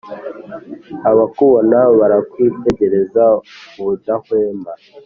Abakubona barakwitegereza ubudahwema,